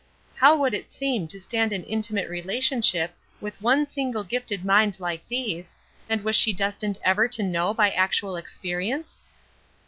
How would it seem to stand in intimate relationship with one single gifted mind like these, and was she destined ever to know by actual experience?